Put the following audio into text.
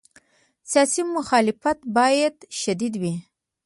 سیاسي مخالفت باید شدید وي.